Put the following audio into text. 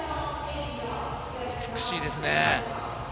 美しいですね。